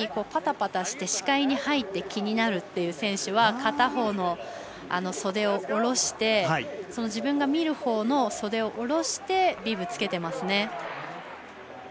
それがスイッチしたときにパタパタして視界に入って気になるという選手は片方の袖を下ろして自分が見るほうのそでを下ろしてビブつけてますね。